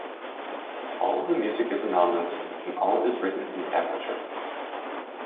All of the music is anonymous, and all is written in tablature.